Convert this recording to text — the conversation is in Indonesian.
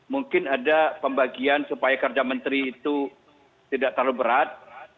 mungkin ada pembagian supaya kerja menteri itu tidak terlalu berat